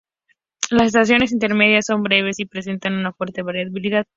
Las estaciones intermedias son breves, y presentan una fuerte variabilidad.